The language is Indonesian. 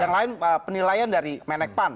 yang lain penilaian dari menekpan